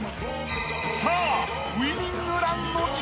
［さあウイニングランの時間だ］